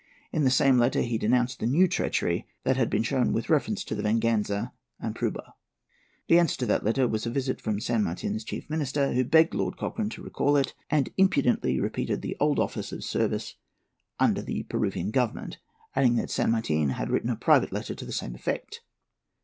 In the same letter he denounced the new treachery that had been shown with reference to the Venganza and the Prueba. The answer to that letter was a visit from San Martin's chief minister, who begged Lord Cochrane to recall it, and impudently repeated the old offers of service under the Peruvian Government, adding that San Martin had written a private letter to the same effect.